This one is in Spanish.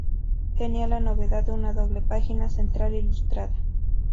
Tenía la novedad de una doble página central ilustrada.